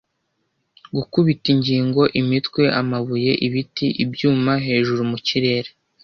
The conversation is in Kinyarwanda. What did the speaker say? Gukubita ingingo, imitwe, amabuye, ibiti, ibyuma, hejuru mu kirere.